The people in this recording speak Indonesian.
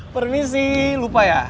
permisi lupa ya